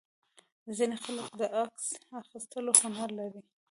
ځینې خلک د عکس اخیستلو هنر لري.